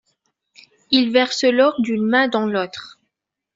Il verse l'or d'une main dans l'autre.